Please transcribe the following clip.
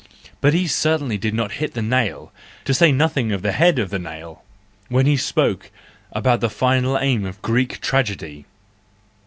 but he certainly did not hit the nail, to say nothing of the head of the nail, when he spoke about the THE JOYFUL WISDOM, II 113 final aim of Greek tragedy!